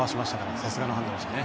さすがの判断でしたね。